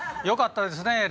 よかったですね